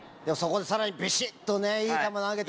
そこでさらにビシっとね。